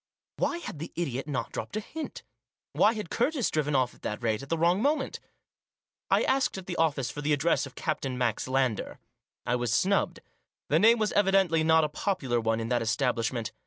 Why had the idiot not dropped a hint ? Why had Curtis driven off at that rate at the wrong moment ? I asked at the office for the address of Captain Max Lander. I was snubbed. The name was evidently not a popular one in that establishment.